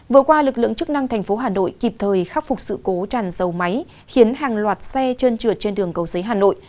vừa qua lực lượng chức năng thành phố hà nội kịp thời khắc phục sự cố tràn dầu máy khiến hàng loạt xe trơn trượt trên đường cầu giấy hà nội